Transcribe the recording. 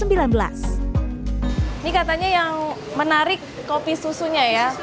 ini katanya yang menarik kopi susunya ya